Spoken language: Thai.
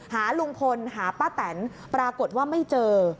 หาลุงพลหาป้าแตนปรากฏว่าไม่เจอ